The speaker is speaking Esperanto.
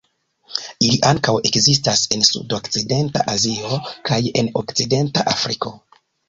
Ili ankaŭ ekzistas en sudokcidenta Azio kaj en okcidenta Afriko.